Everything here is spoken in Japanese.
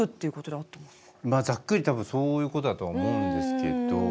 まあざっくり多分そういうことだと思うんですけど。